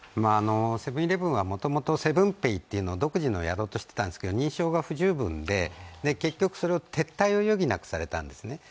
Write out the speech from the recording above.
セブン−イレブンはもともと７ｐａｙというのをやろうとしていたんですが認証が不十分で結局それは撤退を余儀なくされたんですね。